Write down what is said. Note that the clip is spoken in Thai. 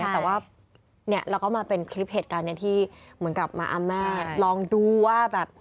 แต่ว่าเราก็มาเป็นคลิปเหตุการณ์ที่เหมือนกับมาอำแม่ลองดูว่าแบบ